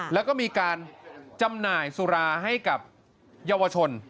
แล้วก็มีการจำหน่ายสุราให้กับเยาวชน